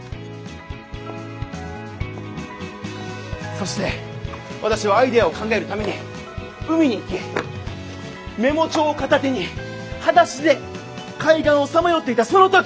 そして私はアイデアを考えるために海に行きメモ帳を片手にはだしで海岸をさまよっていたその時。